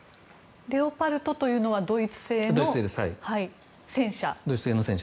レオパルトというのはドイツ製の戦車。